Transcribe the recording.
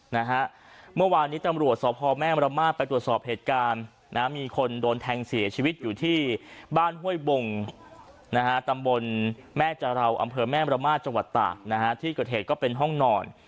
นะฮะเมื่อวานนี้ตำรวจสพแม่มรมาศไปตรวจสอบเหตุการณ์นะมีคนโดนแทงเสียชีวิตอยู่ที่บ้านห้วยบงนะฮะตำบลแม่จาราวอำเภอแม่มรมาศจังหวัดตากนะฮะที่เกิดเหตุก็เป็นห้องนอน